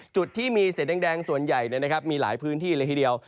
จุดที่มีสีแดงส่วนใหญ่มีหลายพื้นที่เลยทีเดียว